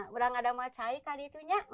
bukan ada masalah kak ditu